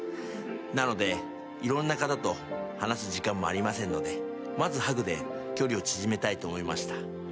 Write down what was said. なのでいろんな方と話す時間もありませんのでまずハグで距離を縮めたいと思いました。